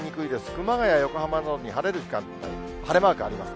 熊谷、横浜などに晴れる時間帯、晴れマークあります。